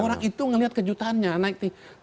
orang itu ngelihat kejutaannya naik